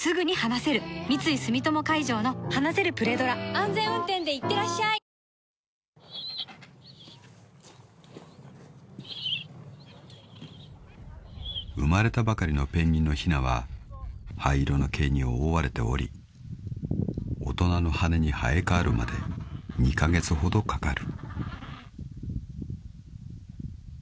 安全運転でいってらっしゃい［生まれたばかりのペンギンのひなは灰色の毛に覆われており大人の羽に生え替わるまで２カ月ほどかかる］